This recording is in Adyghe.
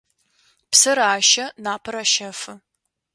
Псэр ащэ, напэр ащэфы.